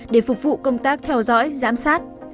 để phục vụ công tác theo dõi giám sát